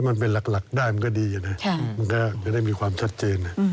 ถ้ามันเป็นหลักได้มันก็ดีใช่ไหมมันค่อยไม่ได้มีความชัดเจน